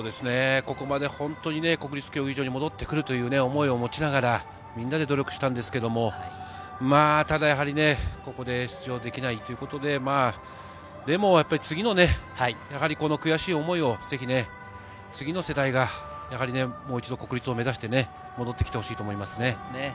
ここまで本当に国立競技場に戻ってくるという思いを持ちながら、みんなで努力したんですけれども、ただ、やはりここで出場できないということで、でも悔しい思いをぜひ次の世代がやはりもう一度、国立を目指して戻ってきてほしいと思います。